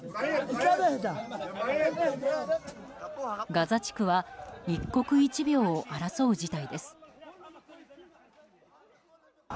ガザ地区は一刻一秒を争う事態です。